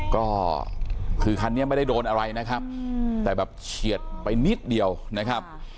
ก็คือคันนี้ไม่ได้โดนอะไรนะครับแต่แบบเฉียดไปนิดเดียวนะครับ